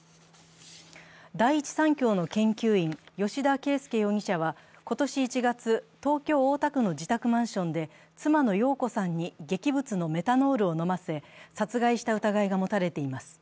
第一三共の研究員、吉田佳右容疑者は、今年１月、東京・大田区の自宅マンションで、妻の容子さんに劇物のメタノールを飲ませ、殺害した疑いが持たれています。